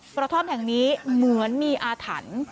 กระท่อมแห่งนี้เหมือนมีอาถรรพ์